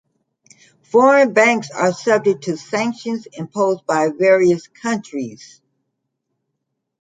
Foreign banks are subject to sanctions imposed by various countries.